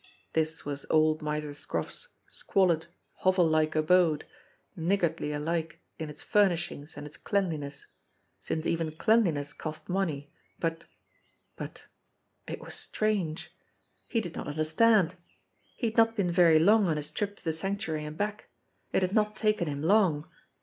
This was old Miser Scroff's squalid, hovel like abode, niggardly alike in its furnishings and its cleanliness, since even cleanliness cost money but but it was strange ! He did not under stand ! He had not been very long on his trip to the Sanctu ary and back. It had not taken him long.